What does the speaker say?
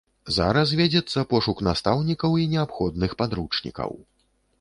Зараз вядзецца пошук настаўнікаў і неабходных падручнікаў.